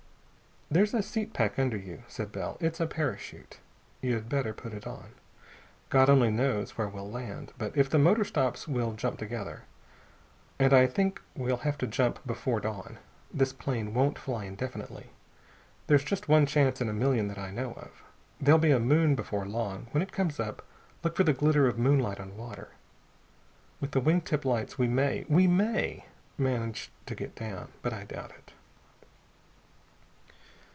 "There's a seat pack under you," said Bell. "It's a parachute. You'd better put it on. God only knows where we'll land, but if the motor stops we'll jump together. And I think we'll have to jump before dawn. This plane won't fly indefinitely. There's just one chance in a million that I know of. There'll be a moon before long. When it comes up, look for the glitter of moonlight on water. With the wing tip lights we may we may manage to get down. But I doubt it."